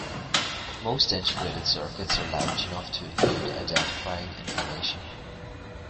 Most integrated circuits are large enough to include identifying information.